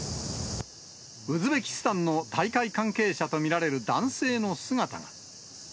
ウズベキスタンの大会関係者と見られる男性の姿が。